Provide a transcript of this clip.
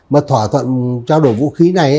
một thỏa thuận trao đổi vũ khí